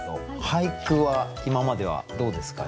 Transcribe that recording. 俳句は今まではどうですか？